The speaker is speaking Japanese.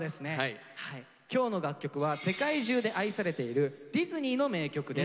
今日の楽曲は世界中で愛されているディズニーの名曲です。